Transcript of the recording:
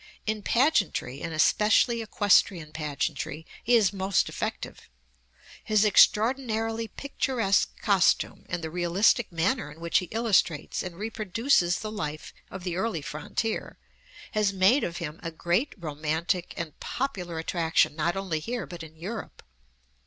In pageantry, and especially equestrian pageantry, he is most effective. His extraordinarily picturesque costume, and the realistic manner in which he illustrates and reproduces the life of the early frontier, has made of him a great, romantic, and popular attraction not only here but in Europe.